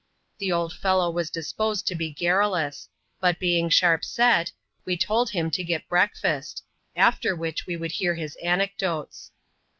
The old fellow was disposed to be garmloufl ; but being sharp set, we told him to get breakfast ; after which we would hear his anecdotes.